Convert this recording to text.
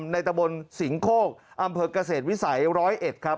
ตะบนสิงโคกอำเภอกเกษตรวิสัย๑๐๑ครับ